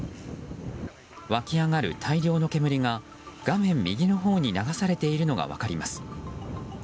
湧き上がる大量の煙が画面右のほうに流されているのが分かります。